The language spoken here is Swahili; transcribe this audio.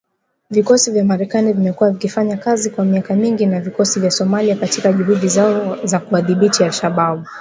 Vikosi vya Marekani vimekuwa vikifanya kazi kwa miaka mingi na vikosi vya Somalia katika juhudi zao za kuwadhibiti al-Shabaab